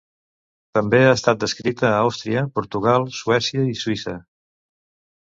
També ha estat descrita a Àustria, Portugal, Suècia i Suïssa.